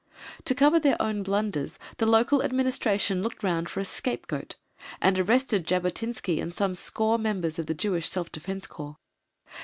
To cover their own blunders the local Administration looked round for a scapegoat, and arrested Jabotinsky and some score members of the Jewish Self Defence Corps.